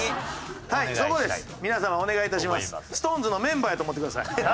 ＳｉｘＴＯＮＥＳのメンバーやと思ってください。